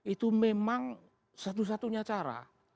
itu memang satu satunya cara